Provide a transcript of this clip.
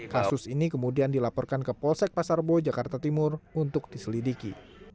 kasus ini kemudian dilaporkan ke polsek pasar bo jakarta timur untuk diselidiki